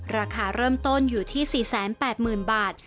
ราคาเริ่มต้นอยู่ที่๔๘๐๐๐บาท